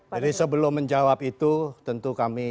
jadi sebelum menjawab itu tentu kami